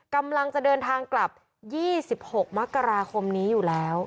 กำลังจะเดินทางกลับ๒๖มกราคมนี้อยู่แล้ว